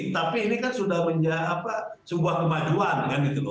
tapi ini kan sudah menjadi sebuah kemajuan